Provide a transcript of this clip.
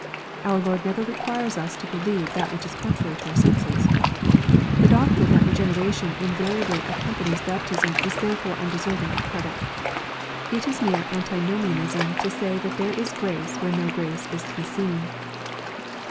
Our Lord never requires us to be * lieve that which is contrary to our senses. The doctrine that regeneration invariably accompanies baptism is therefore undeserving of credit. It is mere antinomianism to say that there is grace where no grace is to be seen.